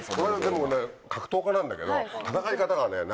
でもね格闘家なんだけど。